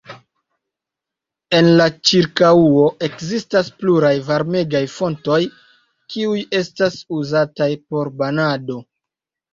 En la ĉirkaŭo ekzistas pluraj varmegaj fontoj, kiuj estas uzataj por banado.